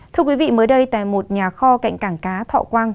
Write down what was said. thưa quý vị mới đây tại một nhà kho cạnh cảng cá thọ quang